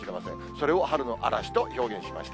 それを春の嵐と表現しました。